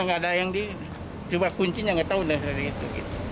nggak ada yang di coba kuncinya nggak tahu dari situ